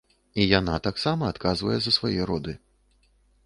І яна таксама адказвае за свае роды.